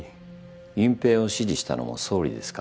隠蔽を指示したのも総理ですか？